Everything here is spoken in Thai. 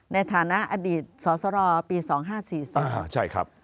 ในฐานะอดีตสสรปี๒๕๔๒ใช่ครับ